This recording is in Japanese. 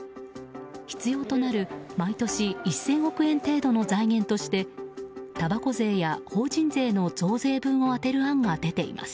必要となる毎年１０００億円程度の財源としてたばこ税や法人税の増税分を充てる案が出ています。